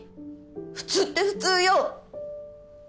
普通って普通よ。